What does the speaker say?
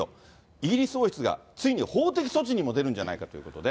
イギリス王室がついに法的措置にも出るんじゃないかということで。